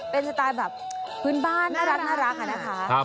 เป็นสไตล์แบบพื้นบ้านน่ารักอะนะคะ